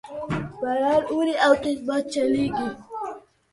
باران اوري او تیز باد چلیږي